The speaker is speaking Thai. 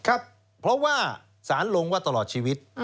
ครับเพราะว่าสารลงว่าตลอดชีวิต